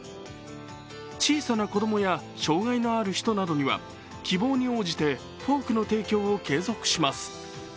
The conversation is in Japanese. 小さな子供や障害のある人などには希望に応じてフォークの提供を継続します。